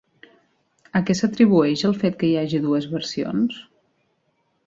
A què s'atribueix el fet que hi hagi dues versions?